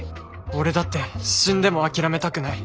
「俺だって死んでも諦めたくない」。